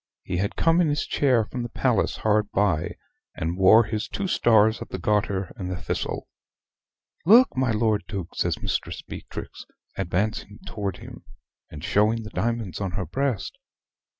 He had come in his chair from the palace hard by, and wore his two stars of the Garter and the Thistle. "Look, my Lord Duke," says Mistress Beatrix, advancing to him, and showing the diamonds on her breast.